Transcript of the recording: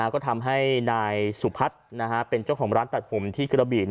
ก็ทำให้นายสุพัฒน์เป็นเจ้าของร้านตัดผมที่กระบี่